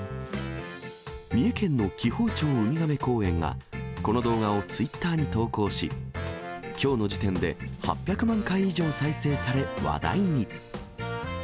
三重県の紀宝町ウミガメ公園が、この動画をツイッターに投稿し、きょうの時点で、８００万回以上再生され、話題に。